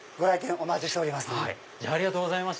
お待ちしております。